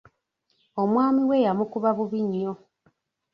Omwami we yamukuba bubi nnyo.